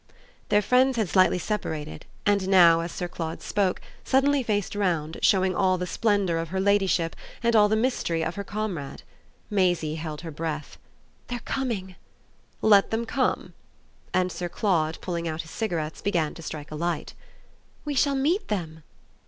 Their friends had slightly separated and now, as Sir Claude spoke, suddenly faced round, showing all the splendour of her ladyship and all the mystery of her comrade. Maisie held her breath. "They're coming!" "Let them come." And Sir Claude, pulling out his cigarettes, began to strike a light. "We shall meet them!"